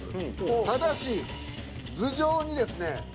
ただし頭上にですね